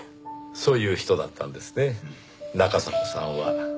そういう人だったんですね中迫さんは。